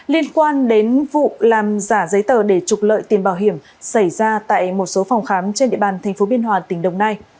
liên quan đến vụ làm giả giấy tờ để trục lợi tiền bảo hiểm xảy ra tại một số phòng khám trên địa bàn tp biên hòa tỉnh đồng nai